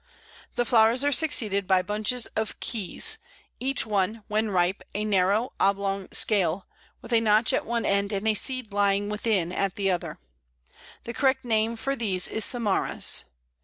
The flowers are succeeded by bunches of "keys" each one, when ripe, a narrow oblong scale, with a notch at one end and a seed lying within at the other. The correct name for these is samaras.